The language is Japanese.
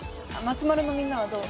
つまるのみんなはどう？